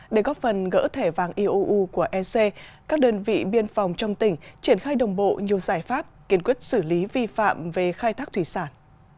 để góp phần gỡ thẻ vàng iou của ec các đơn vị biên phòng trong tỉnh triển khai đồng bộ nhiều giải pháp kiên quyết xử lý vi phạm về khai thác thủy sản